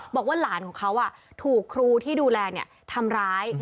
บอกว่าหลานของเขาถูกครูที่ดูแลทำร้าย